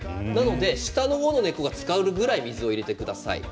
下の方の根っこがつかるくらいの水を入れてください。